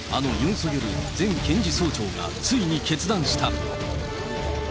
ソギョル前検事総長がついに決断した。